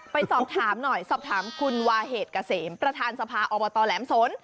ไปสอบถามหน่อยสอบถามคุณวาเหตุเกษมประธานสภาอบตแหลมสน